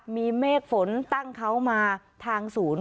มีเมฆฝนตั้งเขามาทางศูนย์